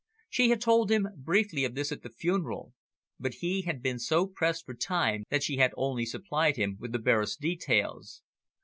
She had told him briefly of this at the funeral, but he had been so pressed for time that she had only supplied him with the barest details.